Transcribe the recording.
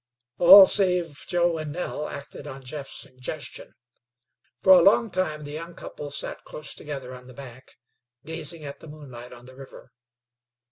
All save Joe and Nell acted on Jeff's suggestion. For a long time the young couple sat close together on the bank, gazing at the moonlight on the river.